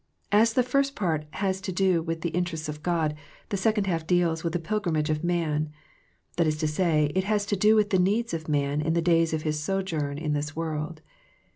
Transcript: As the first part has to do with the in terests of God, the second half deals with the pil grimage of man ; that is to say, it has to do with the needs of man in the days of his sojourn in this world.